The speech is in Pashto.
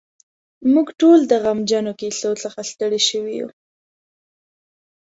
موږ ټول د غمجنو کیسو څخه ستړي شوي یو.